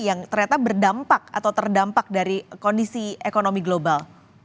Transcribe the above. yang ternyata berdampak atau terdampak dari kondisi ekonomi global